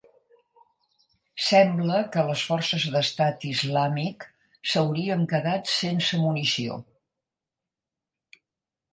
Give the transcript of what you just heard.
Sembla que les forces d'Estat Islàmic s'haurien quedat sense munició.